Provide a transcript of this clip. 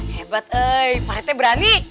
hebat eh pak rete berani